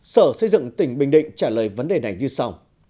sở xây dựng tỉnh bình định trả lời vấn đề này như sau